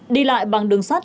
đi lại bằng đường sát